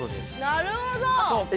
なるほど！え？